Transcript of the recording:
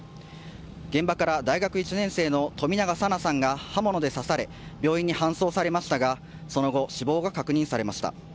現場から大学１年生の冨永紗菜さんが刃物で刺され病院に搬送されましたがその後、死亡が確認されました。